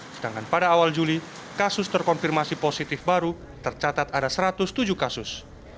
sedangkan pada awal juli kasus terkonfirmasi positif baru tercatat ada satu ratus tujuh kasus